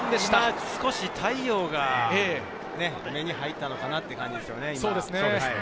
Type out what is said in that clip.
今、少し太陽が目に入ったのかなっていう感じですね。